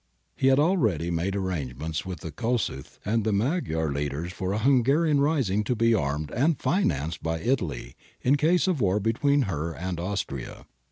^ He had already made arrangements with Kossuth and the Magyar leaders for a Hungarian rising to be armed and financed by Italy in case of war between her and Austria.